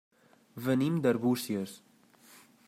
Venim d'Arbúcies.